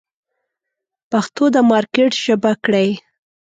پښتو د مارکېټ ژبه کړئ.